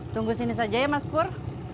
tunggu sini saja ya mas pur